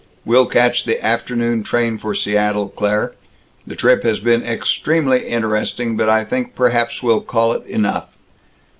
We'll catch the afternoon train for Seattle, Claire. The trip has been extremely interesting, but I think perhaps we'll call it enough.